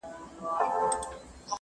ده په حکومت کې تصفیې وکړې.